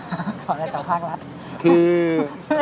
พี่เกิ้ลหวังว่าอยากจะได้มาตรการอะไรในเกี่ยวกันในขณะที่เราอยู่ด้วย